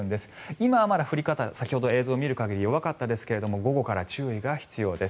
今はまだ先ほどの映像を見る限り弱かったですが午後から注意が必要です。